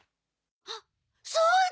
あっそうだ！